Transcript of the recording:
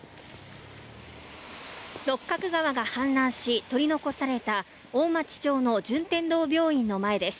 六角川が氾濫し取り残された大町町の順天堂病院の前です。